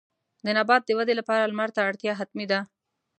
د نبات د ودې لپاره لمر ته اړتیا حتمي ده.